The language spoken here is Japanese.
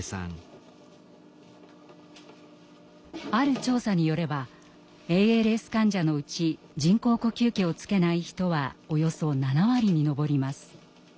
ある調査によればＡＬＳ患者のうち人工呼吸器をつけない人はおよそ７割に上ります。